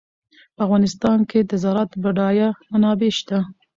په افغانستان کې د زراعت بډایه منابع شته.